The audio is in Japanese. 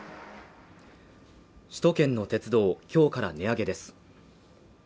首都圏の鉄道今日から値上げです。